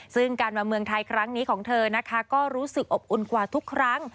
ซึ่งการมาเมืองไทยครั้งนี้ของเธอนะคะก็รู้สึกอบอุ่นกว่าทุกครั้ง